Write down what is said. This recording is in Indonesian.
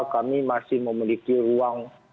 kami masih memiliki ruang